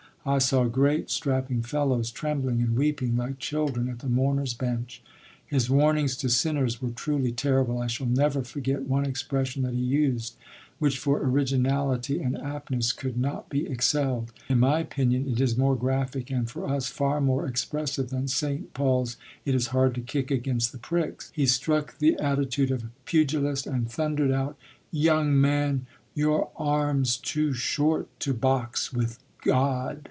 I saw great, strapping fellows trembling and weeping like children at the "mourners' bench." His warnings to sinners were truly terrible. I shall never forget one expression that he used, which for originality and aptness could not be excelled. In my opinion, it is more graphic and, for us, far more expressive than St. Paul's "It is hard to kick against the pricks." He struck the attitude of a pugilist and thundered out: "Young man, your arm's too short to box with God!"